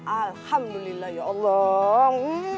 alhamdulillah ya allah